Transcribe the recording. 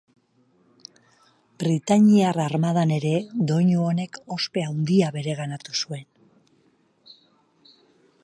Britainiar Armadan ere doinu honek ospe handia bereganatu zuen.